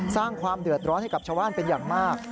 สร้างความเดือดร้อนให้กับชาวบ้านเป็นอย่างมาก